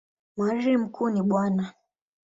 Mhariri mkuu ni Bw.